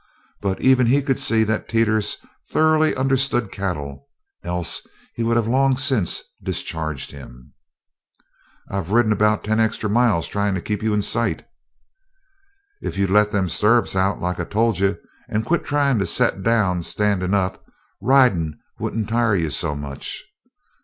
But even he could see that Teeters thoroughly understood cattle, else he would have long since discharged him. "I've ridden about ten extra miles trying to keep you in sight." "If you'd let them sturrups out like I told you and quit tryin' to set down standin' up, ridin' wouldn't tire you so much."